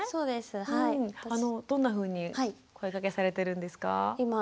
どんなふうに声かけされてるんですか？